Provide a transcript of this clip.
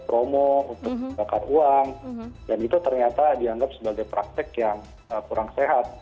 promo untuk bakar uang dan itu ternyata dianggap sebagai praktek yang kurang sehat